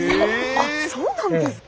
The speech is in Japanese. あっそうなんですか？